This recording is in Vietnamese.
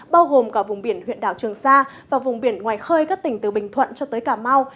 bao gồm cả vùng biển huyện đảo trường sa và vùng biển ngoài khơi các tỉnh từ bình thuận cho tới cà mau